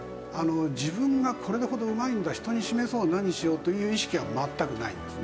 自分がこれほどうまいんだ人に示そう何しようという意識は全くないんですね。